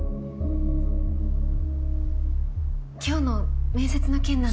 今日の面接の件なんですが。